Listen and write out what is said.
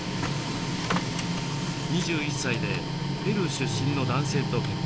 ２１歳でペルー出身の男性と結婚。